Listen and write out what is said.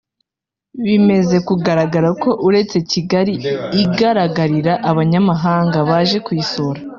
bimeze kugaragara ko uretse Kigali igaragarira abanyamahanga baje kuyisura